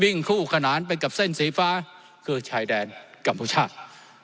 วิ่งคู่ขนานไปกับเส้นสีฟ้าคือชายแดนกรรมประชาติ